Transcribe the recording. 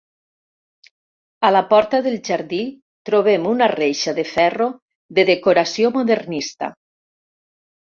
A la porta del jardí trobem una reixa de ferro de decoració modernista.